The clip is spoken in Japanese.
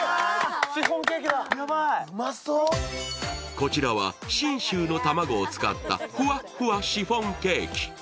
こちらは信州の卵を使ったふわふわシフォンケーキ。